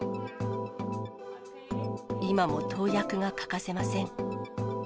今も投薬が欠かせません。